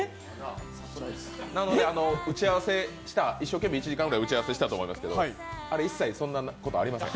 なので、１時間くらい一生懸命打ち合わせしたと思いますけれども、あれ一切、そんなことありません。